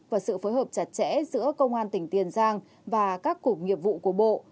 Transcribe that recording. và sự phối hợp chặt chẽ giữa công an tỉnh tiền giang và các cục nghiệp vụ của bộ